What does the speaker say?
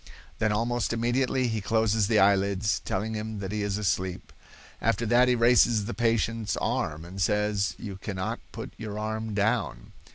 Then, almost immediately, he closes the eyelids, telling him that he is asleep. After that he raises the patient's arm, and says, 'You cannot put your arm down.